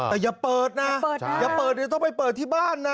แต่อย่าเปิดนะอย่าเปิดเดี๋ยวต้องไปเปิดที่บ้านนะ